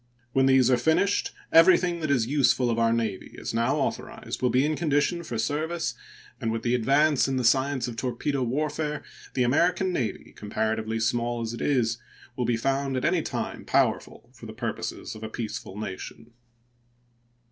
When these are finished, everything that is useful of our Navy, as now authorized, will be in condition for service, and with the advance in the science of torpedo warfare the American Navy, comparatively small as it is, will be found at any time powerful for the purposes of a peaceful nation.